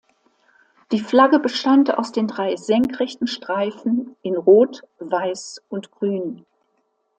Die Flagge bestand aus den drei senkrechten Streifen in Rot, Weiß und Grün.